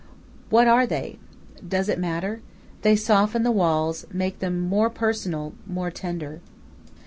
What are they? Does it matter? They soften the walls, make them more personal, more tender.